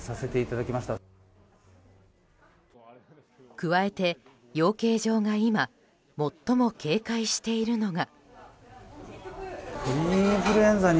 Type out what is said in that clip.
加えて養鶏場が今、最も警戒しているのが。